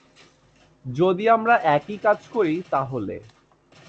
যদি আমরা একই কাজ করি তাহলে।